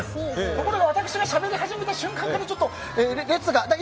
ところが私がしゃべり始めた瞬間から列が。